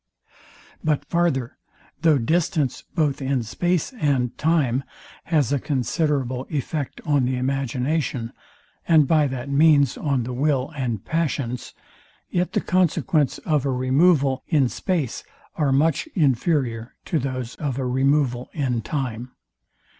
But farther; though distance both in space and time has a considerable effect on the imagination, and by that means on the will and passions, yet the consequence of a removal in space are much inferior to those of a removal in time.